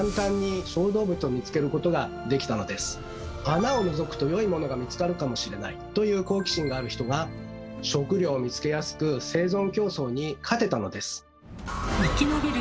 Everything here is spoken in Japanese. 穴をのぞくと良いモノが見つかるかもしれないという好奇心がある人が食料を見つけやすく生存競争に勝てたのです。